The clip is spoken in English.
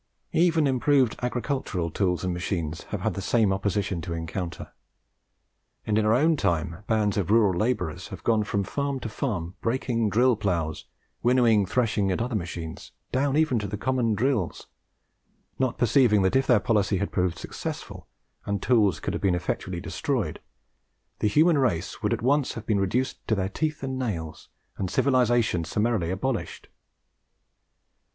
Even improved agricultural tools and machines have had the same opposition to encounter; and in our own time bands of rural labourers have gone from farm to farm breaking drill ploughs, winnowing, threshing, and other machines, down even to the common drills, not perceiving that if their policy had proved successful, and tools could have been effectually destroyed, the human race would at once have been reduced to their teeth and nails, and civilization summarily abolished.